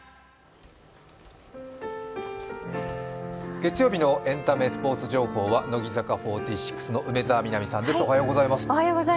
月曜日のエンタメスポーツ情報は乃木坂４６の梅澤美波さんです。